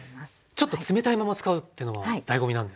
ちょっと冷たいまま使うっていうのもだいご味なんですね。